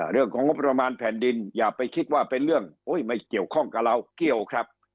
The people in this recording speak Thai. เรื่องของงบประมาณแผ่นดินอย่าไปคิดว่าเป็นเรื่องไม่เกี่ยวข้องกับเราเกี่ยวครับ